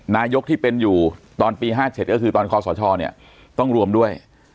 นายกที่เป็นอยู่ตอนปีห้าเจ็ดหรือคือตอนคอสอช่อเนี้ยต้องรวมด้วย